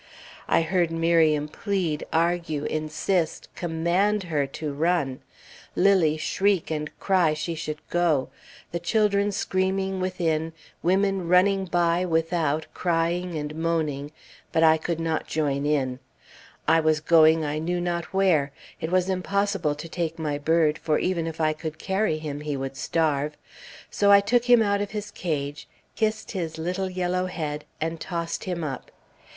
I heard Miriam plead, argue, insist, command her to run; Lilly shriek, and cry she should go; the children screaming within; women running by without, crying and moaning; but I could not join in. I was going I knew not where; it was impossible to take my bird, for even if I could carry him, he would starve. So I took him out of his cage, kissed his little yellow head, and tossed him up.